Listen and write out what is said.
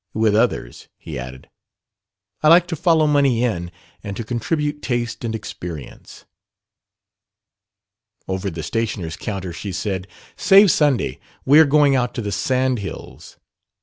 "With others," he added. "I like to follow money in and to contribute taste and experience." Over the stationer's counter she said: "Save Sunday. We are going out to the sand hills."